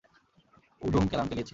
উডুম কেলান কেলিয়েছি।